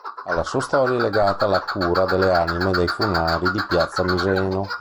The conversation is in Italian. Alla sua storia è legata la cura delle anime dei funari di piazza Miseno.